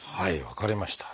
分かりました。